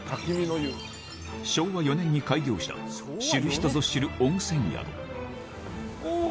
昭和４年に開業した知る人ぞ知る温泉宿おぉ！